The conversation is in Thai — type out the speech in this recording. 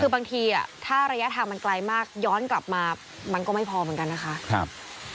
คือบางทีถ้าระยะทางมันไกลมากย้อนกลับมามันก็ไม่พอเหมือนกันนะคะ